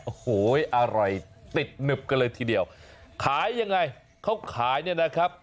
โอ้โหอร่อยติดหนึบกันเลยทีเดียวขายยังไงเขาขายเนี่ยนะครับ